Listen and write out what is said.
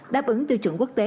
đáp ứng tiêu chuẩn quốc tế